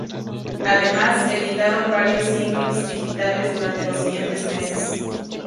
Además, editaron varios singles digitales durante los siguientes meses.